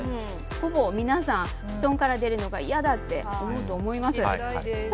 ほぼ皆さん、布団から出るのが嫌だって思うと思います。